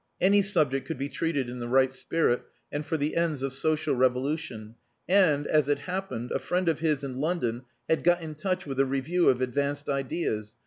Any subject could be treated in the right spirit, and for the ends of social revolution. And, as it happened, a friend of his in London had got in touch with a review of advanced ideas.